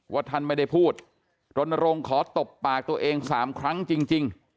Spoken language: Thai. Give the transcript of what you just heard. ท่านไม่ได้พูดรณรงค์ขอตบปากตัวเอง๓ครั้งจริง